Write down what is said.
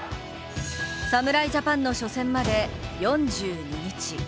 侍ジャパンの初戦まで４２日。